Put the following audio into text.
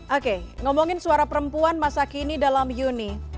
oke ngomongin suara perempuan masa kini dalam juni